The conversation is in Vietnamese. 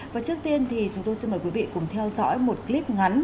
và trước tiên thì chúng tôi xin mời quý vị cùng theo dõi một clip ngắn